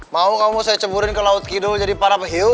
mau kamu saya ceburin ke laut kidul jadi para peciu